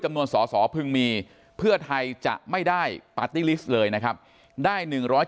วนสอสอพึงมีเพื่อไทยจะไม่ได้ปาร์ตี้ลิสต์เลยนะครับได้๑๐